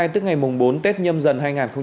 tức ngày bốn tết nhâm dần hai nghìn hai mươi hai